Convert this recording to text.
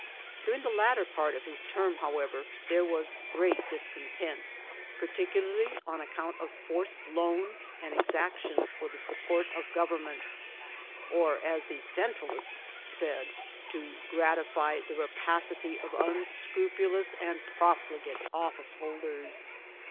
During the latter pert of his term, however, there was great discontent, particularly pn account of forced loans and exactions for the sup port of government, or, as the Centralists said, to grat ify the rapacity of unscrupulous and profligate office holders.